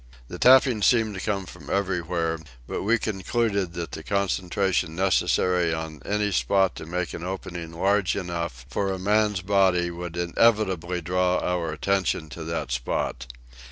The tappings seemed to come from everywhere; but we concluded that the concentration necessary on any spot to make an opening large enough for a man's body would inevitably draw our attention to that spot.